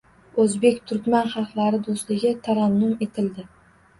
O‘zbek – turkman xalqlari do‘stligi tarannum etildi